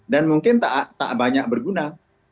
dan mungkin tidak banyak berguna